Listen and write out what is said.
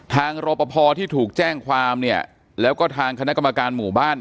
รอปภที่ถูกแจ้งความเนี่ยแล้วก็ทางคณะกรรมการหมู่บ้าน